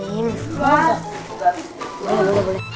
boleh boleh boleh